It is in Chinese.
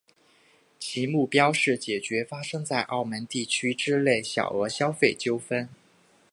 其目标是解决发生在澳门地区内之小额消费纠纷。